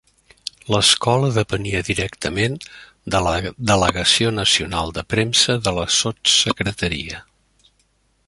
L'Escola depenia directament de la Delegació Nacional de Premsa de la Sotssecretaria.